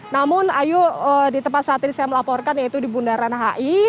namun ayu di tempat saat ini saya melaporkan yaitu di bundaran hi